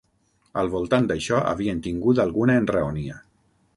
Al voltant d'això havien tingut alguna enraonia.